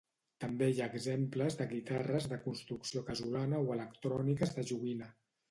També hi ha exemples de guitarres de construcció casolana o electròniques de joguina.